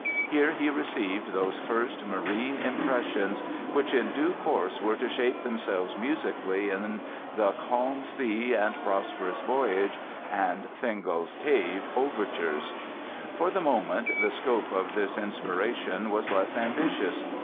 Here he received those first marine impressions which in due course were to shape themselves musically in the "Calm Sea and Prosperous Voyage" and "Fingal's Cave" Overtures. For the moment, the scope of this inspiration was less ambitious.